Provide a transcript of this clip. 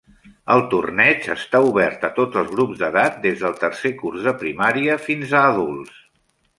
El torneig està obert a tots els grups d'edat, des del tercer curs de primària fins a adults.